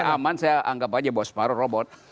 supaya aman saya anggap aja bahwa separoh robot